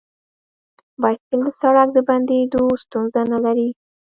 بایسکل د سړک د بندیدو ستونزه نه لري.